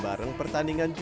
bukan hanya di lantai